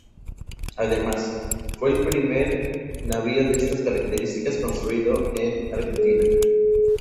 Además, fue el primer navío de estas características construido en Argentina.